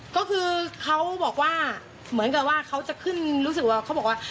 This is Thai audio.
ก็คือเขาบอกว่าเหมือนกับว่าเขาจะขึ้นรู้สึกว่าเขาบอกว่า